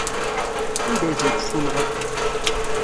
Anda ay tent-tessunɣeḍ?